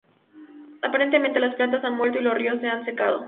Aparentemente, las plantas han muerto y los ríos se han secado.